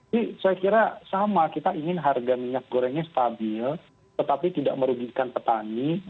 jadi saya kira sama kita ingin harga minyak gorengnya stabil tetapi tidak merugikan petani